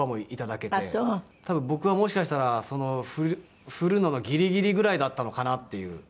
多分僕がもしかしたら振るのがギリギリぐらいだったのかな？っていうので。